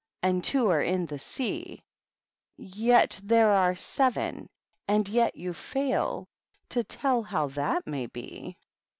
And two are in the sea. Yet there are seven f And yet you fail To tell how that may be' 190 THE BISHOPS.